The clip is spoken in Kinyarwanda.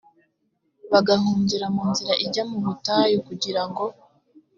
bagahungira mu nzira ijya mu butayu kugira ngo